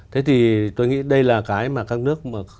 thế thì tôi nghĩ đây là cái mà các nước